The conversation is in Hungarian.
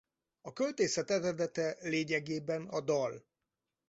A költészet eredete lényegében a dal.